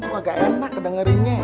itu agak enak dengerinnya